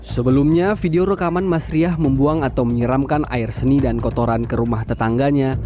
sebelumnya video rekaman mas riah membuang atau menyeramkan air seni dan kotoran ke rumah tetangganya